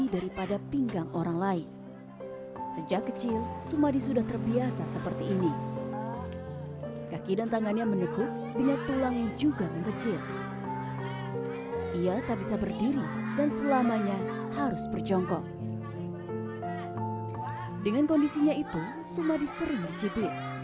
dengan kondisinya itu jumadis sering di cb